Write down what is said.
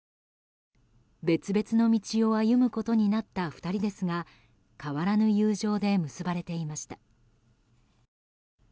別々の道を歩むことになった２人ですが変わらぬ友情で結ばれていました。